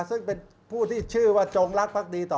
ซึ่งเป็นผู้ที่ชื่อว่าจงรักภักดีต่อ